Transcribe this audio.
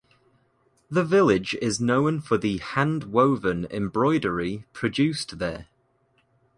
The village is known for the hand woven embroidery produced there.